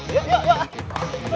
yuk yuk yuk